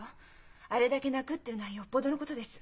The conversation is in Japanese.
あれだけ泣くっていうのはよっぽどのことです。